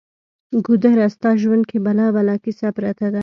ګودره! ستا ژوند کې بلا بلا کیسه پرته ده